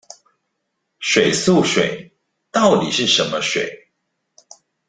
水素水到底是什麼水